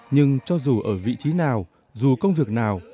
nhưng cho dù ở vị trí nào dù công việc nào